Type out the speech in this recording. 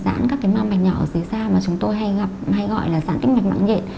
đầu tiên có thể là giãn các mạch nhỏ ở dưới da mà chúng tôi hay gọi là giãn tĩnh mạch mạng nhện